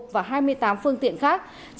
và hai mươi tám phương tiện khác